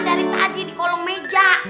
dari tadi di kolong meja